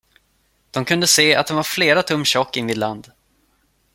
De kunde se, att den var flera tum tjock invid land.